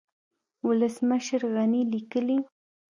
ولسمشر غني ليکلي